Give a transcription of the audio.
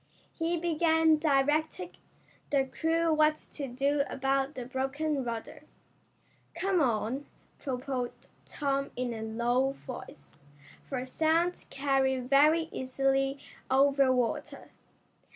He began directing the crew what to do about the broken rudder. "Come on," proposed Tom in a low voice, for sounds carry very easily over water.